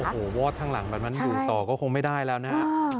โอ้โหวอดทั้งหลังแบบนั้นอยู่ต่อก็คงไม่ได้แล้วนะฮะ